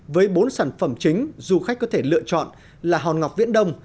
với bốn sản phẩm chính du khách có thể lựa chọn là hòn ngọc viễn đông